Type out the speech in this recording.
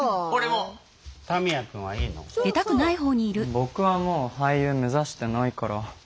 僕はもう俳優目指してないから。